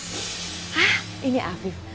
hah ini afif